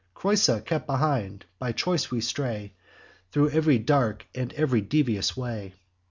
Creusa kept behind; by choice we stray Thro' ev'ry dark and ev'ry devious way.